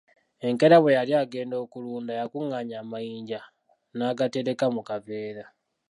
Enkeera, bwe yali agenda okulunda yakunganya amayinja n'agatereka mu kaveera.